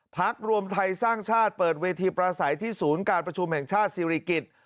พักรวมไทยสร้างชาติเปิดเวทีประสัยที่ศูนย์การประชุมแห่งชาติศิริกิจ